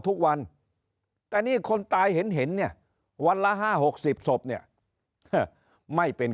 ทุกวันแต่นี่คนตายเห็นเนี่ยวันละ๕๖๐ศพเนี่ยไม่เป็น